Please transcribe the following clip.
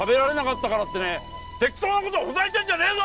適当なことほざいてんじゃねえぞ！